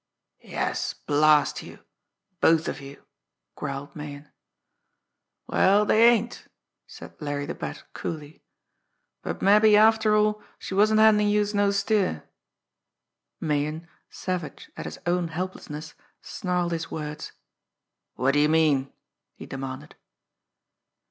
"Yes, blast you both of you!" growled Meighan. "Well, dey ain't," said Larry the Bat coolly; "but mabbe, after all, she wasn't handin' youse no steer." Meighan, savage at his own helplessness, snarled his words. "What do you mean?" he demanded.